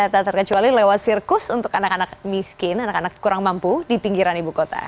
tak terkecuali lewat sirkus untuk anak anak miskin anak anak kurang mampu di pinggiran ibu kota